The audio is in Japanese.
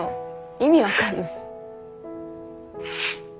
意味分かんない。